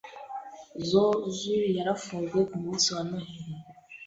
Zo zoo zarafunzwe kumunsi wa Noheri.